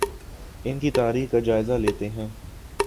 ان کی تاریخ کا جائزہ لیتے ہیں